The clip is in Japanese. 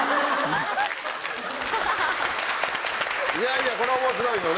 いやいやこれ面白いよね。